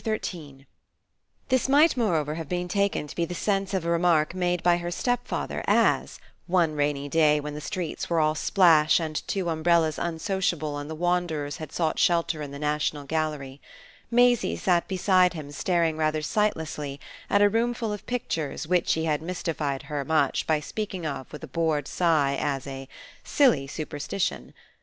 XIII This might moreover have been taken to be the sense of a remark made by her stepfather as one rainy day when the streets were all splash and two umbrellas unsociable and the wanderers had sought shelter in the National Gallery Maisie sat beside him staring rather sightlessly at a roomful of pictures which he had mystified her much by speaking of with a bored sigh as a "silly superstition."